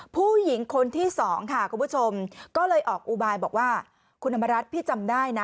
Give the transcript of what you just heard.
ผู้หญิงคนที่สองค่ะคุณผู้ชมก็เลยออกอุบายบอกว่าคุณธรรมรัฐพี่จำได้นะ